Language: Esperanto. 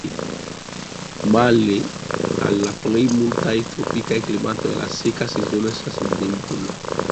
Male al la plej multaj tropikaj klimatoj la seka sezono estas nebula.